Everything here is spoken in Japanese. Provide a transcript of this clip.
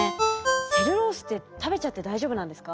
セルロースって食べちゃって大丈夫なんですか？